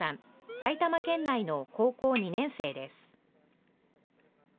埼玉県内の高校２年生です。